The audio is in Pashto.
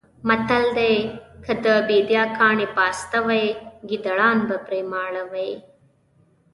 متل دی: که د بېدیا کاڼي پاسته وی ګېدړان به پرې ماړه وی.